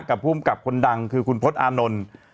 กับผู้กลับคนดังคือคุณพจน์อานนท์